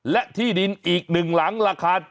และที่ดินอีกหนึ่งหลังราคา